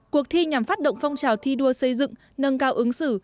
cuộc thi nhằm phát động phong trào thi đua xây dựng nâng cao ứng xử